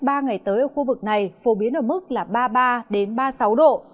trong ba ngày tới ở khu vực này phổ biến ở mức là ba mươi ba ba mươi sáu độ